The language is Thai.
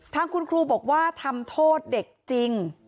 ทางคุณครูบอกว่าทำโทษเด็กจริง